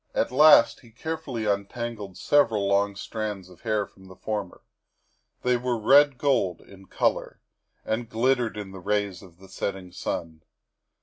At last he carefully untangled several long strands of hair from the former; they were red gold in color and THE SECRETARY OF STATE 143 glittered in the rays of the setting sun.